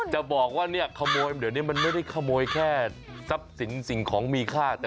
จะบอกว่าเดี๋ยวนี้มันไม่ได้ขโมยแค่สัพสินสิ่งของมีค่า